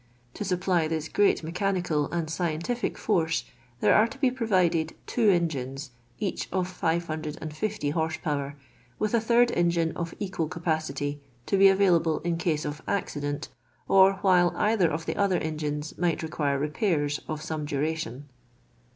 To supply this great mechanical and scientific force, there are to be pro vided two engines, each of 550 horse power, with a third ehgine of equal capacity, to be available in case of accident, or while either of the other engines might require repairs of some duration.